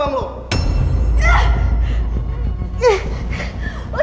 udah ngeliatin apaan sih